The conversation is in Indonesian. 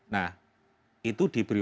nah itu diberi